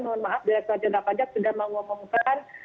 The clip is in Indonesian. mohon maaf direkturat jenderal pajak sudah mengumumkan